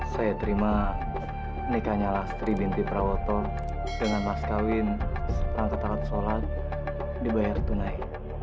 saya terima nikahnya lastri binti prawoto dengan mas kawin seperangkat alat sholat dibayar tunai